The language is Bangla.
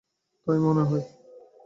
তাই মনে হয়?